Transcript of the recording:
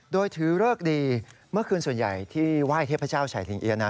โดยถือเลิกดีเมื่อคืนส่วนใหญ่ที่ไหว้เทพเจ้าชายสิงเอี๊ยนะ